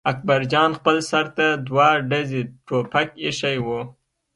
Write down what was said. اکبر جان خپل سر ته دوه ډزي ټوپک اېښی و.